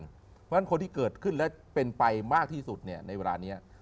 เพราะฉะนั้นคนที่เกิดขึ้นและเป็นไปมากที่สุดในเวลานี้